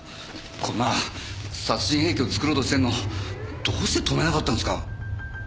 こんな殺人兵器を作ろうとしてるのどうして止めなかったんですか？